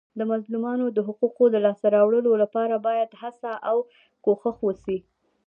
د مظلومانو د حقوقو د لاسته راوړلو لپاره باید هڅه او کوښښ وسي.